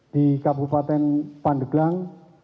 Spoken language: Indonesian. di kabupaten pandeglang